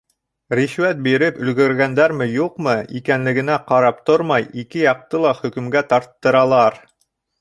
Ришүәт биреп өлгөргәндәрме-юҡмы икәнлегенә ҡарап тормай, ике яҡты ла хөкөмгә тарттыралар.